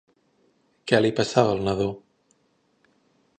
Què li passava al nadó?